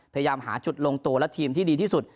พยายามหาจุดลงตัวและทีมที่ดีที่สุด